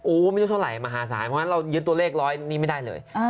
ไม่รู้เท่าไหร่มหาศาลเพราะฉะนั้นเรายึดตัวเลขร้อยนี้ไม่ได้เลย